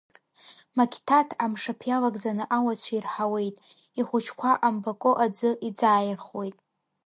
Мақьҭаҭ амшаԥ иалагӡаны ауацәа ирҳауеит, ихәыҷқәа Амбако аӡы иӡааирхуеит.